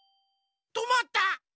とまった。